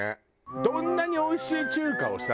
どんなにおいしい中華をさ。